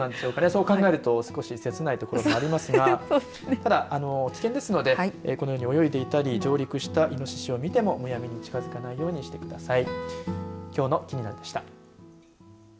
そう考えると少し切ないところもありますがただ、危険ですのでこのように泳いでいたり上陸した、いのししを見てもむやみに近づかないようにしてください。